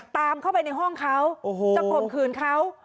ตามเข้าไปในห้องเขาจะข่มขืนเขา